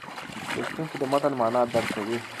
لوستونکی د متن معنا درک کوي.